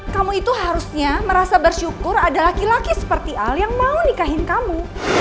kamu itu harusnya merasa bersyukur ada laki laki seperti al yang mau nikahin kamu